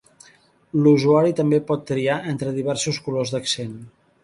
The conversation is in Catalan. L'usuari també pot triar entre diversos colors d'accent.